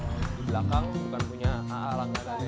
di belakang bukan punya alat alatnya